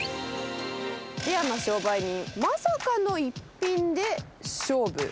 レアな商売人、まさかの一品で勝負。